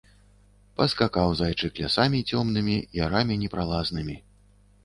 Паскакаў зайчык лясамі цёмнымі, ярамі непралазнымі.